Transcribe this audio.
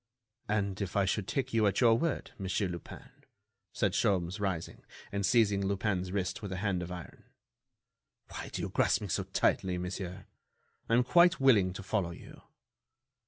"And if I should take you at your word, Monsieur Lupin?" said Sholmes, rising, and seizing Lupin's wrist with a hand of iron. "Why do you grasp me so tightly, monsieur? I am quite willing to follow you."